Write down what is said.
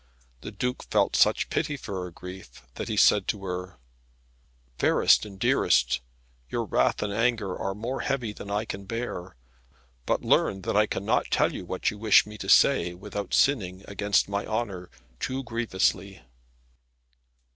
The Duke felt such pity for her grief that he said to her, "Fairest and dearest, your wrath and anger are more heavy than I can bear; but learn that I cannot tell what you wish me to say without sinning against my honour too grievously."